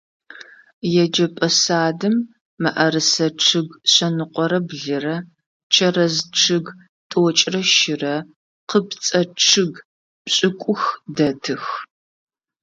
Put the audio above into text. Еджэпӏэ садым мыӏэрысэ чъыг шъэныкъорэ блырэ, чэрэз чъыг тӏокӏырэ щырэ, къыпцӏэ чъыг пшӏыкӏух дэтых.